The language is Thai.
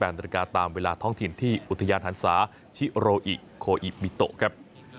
นาฬิกาตามเวลาท้องถิ่นที่อุทยานหันศาชิโรอิโคอิปิโตครับ